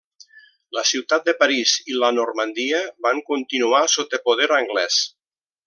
La ciutat de París i la Normandia van continuar sota poder anglès.